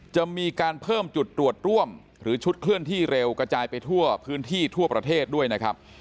จะมีการเพิ่มจุดตรวจร่วมหรือชุดเคลื่อนที่เร็วกระจายไปทั่วพื้นที่ทั่วประเทศด้วยนะครับ